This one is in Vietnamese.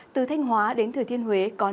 từ thanh hóa đến thời thiên huế có nắng